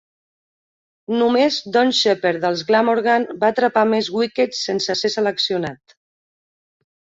Només Don Shepherd dels Glamorgan va atrapar més wickets sense ser seleccionat.